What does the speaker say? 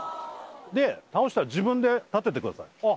で倒したら自分で立ててくださいあっ